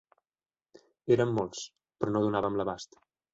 Érem molts, però no donàvem l'abast.